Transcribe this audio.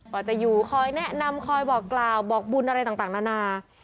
ก็จะอยู่คอยแนะนำคอยบอกกล่าวบอกบุญอะไรต่างนานา